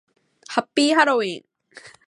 ハッピーハロウィン